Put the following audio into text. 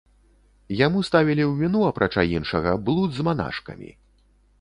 Яму ставілі ў віну апрача іншага блуд з манашкамі.